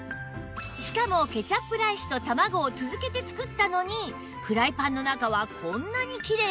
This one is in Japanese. しかもケチャップライスと卵を続けて作ったのにフライパンの中はこんなにきれいなんです